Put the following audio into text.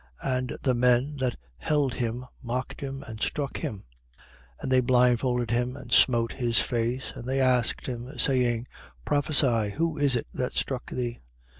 22:63. And the men that held him mocked him and struck him. 22:64. And they blindfolded him and smote his face. And they asked him saying: Prophesy: Who is it that struck thee?